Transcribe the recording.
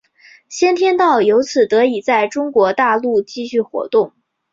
先天道由此得以在中国大陆继续活动。